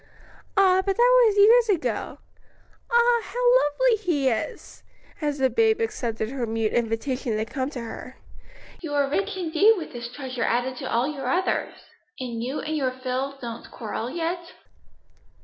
"Ah, but that was years ago! Ah, how lovely he is!" as the babe accepted her mute invitation to come to her. "You are rich indeed, with this treasure added to all your others. And you and your Phil don't quarrel yet?"